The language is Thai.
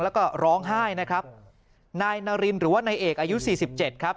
แล้วก็ร้องไห้นะครับนายนารินหรือว่านายเอกอายุสี่สิบเจ็ดครับ